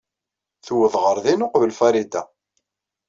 Tuweḍ ɣer din uqbel Farida.